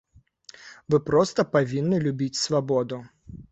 Вы проста павінны любіць свабоду!